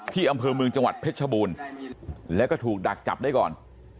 อำเภอเมืองจังหวัดเพชรชบูรณ์แล้วก็ถูกดักจับได้ก่อน